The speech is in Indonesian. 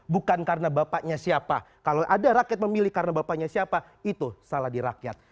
bukan karena bapaknya siapa kalau ada rakyat memilih karena bapaknya siapa itu salah di rakyat